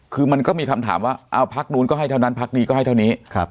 คือมันก็มีคำถามว่าเอาพักนู้นก็ให้เท่านั้นพักนี้ก็ให้เท่านี้